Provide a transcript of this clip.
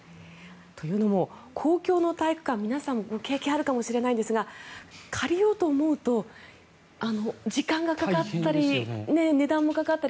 というのも、公共の体育館皆さんも経験があるかもしれないんですが借りようと思うと時間がかかったり値段もかかったり。